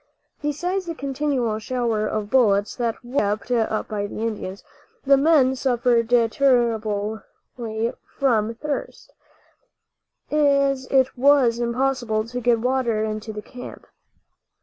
Besides the continual shower of bullets that was kept up by the Indians, the men suffered terribly from thirst, as it was impossible to get water into the camp.